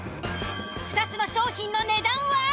２つの商品の値段は。